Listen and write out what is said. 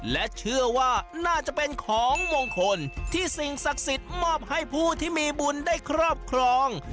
และเชื่อว่าน่าจะเป็นของมงคลที่สิ่งศักดิ์สิทธิ์มอบให้ผู้ที่มีบุญได้ครอบครอง